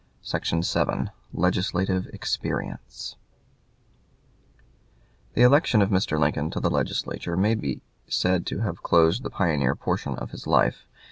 "] CHAPTER VII LEGISLATIVE EXPERIENCE The election of Mr. Lincoln to the Legislature may be said to have closed the pioneer portion of his life.